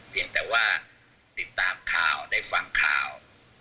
เพียงแต่ว่าติดตามข่าวได้ฟังข่าว